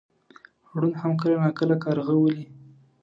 ړوند هم کله ناکله کارغه ولي .